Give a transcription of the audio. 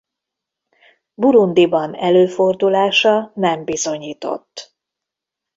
Burundiban előfordulása nem bizonyított.